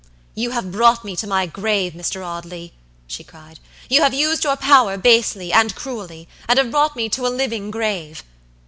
"You have brought me to my grave, Mr. Audley," she cried; "you have used your power basely and cruelly, and have brought me to a living grave."